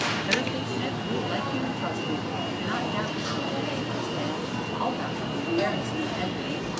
Thursday Smith, we like you and trust you. Do not doubt yourself because of this tale. I'll vouch for your fairness and integrity.